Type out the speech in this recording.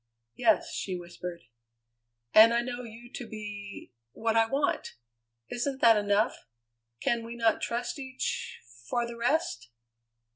"Yes," she whispered. "And I know you to be what I want. Isn't that enough? Can we not trust each for the rest?"